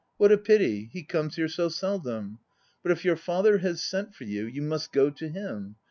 What a pity; he comes here so seldom. But if your father has sent for you, you must go to him.